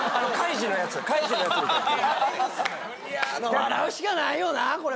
笑うしかないよなこれは。